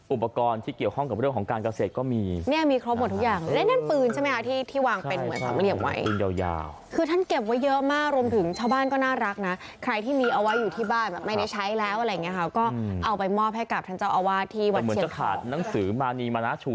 อุปกรณ์ที่เกี่ยวข้องกับเรื่องของการเกษตรก็มี